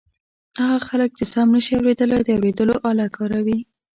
هغه خلک چې سم نشي اورېدلای د اوریدلو آله کاروي.